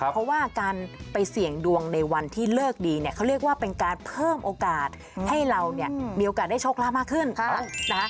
เพราะว่าการไปเสี่ยงดวงในวันที่เลิกดีเนี่ยเขาเรียกว่าเป็นการเพิ่มโอกาสให้เราเนี่ยมีโอกาสได้โชคลาภมากขึ้นนะคะ